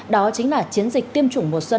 đó chính là chiến dịch tiêm chủng mùa xuân